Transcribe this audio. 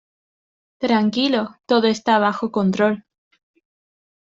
Tranquilo. Todo está bajo control .